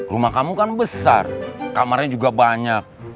rumah kamu kan besar kamarnya juga banyak